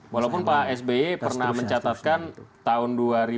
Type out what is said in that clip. walaupun pak spi pernah mencatatkan tahun dua ribu empat belas